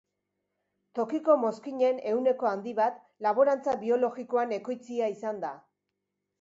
Tokiko mozkinen ehuneko handi bat laborantza biologikoan ekoitzia izan da.